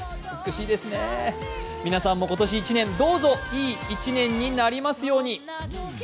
皆さんも今年１年、どうぞいい１年になりますように。